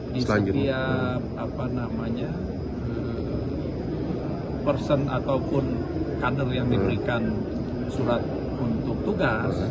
di setiap person ataupun kader yang diberikan surat untuk tugas